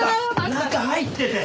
中入ってて！